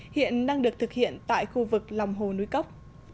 hiện đang được thực hiện tại khu vực lòng hồ núi cốc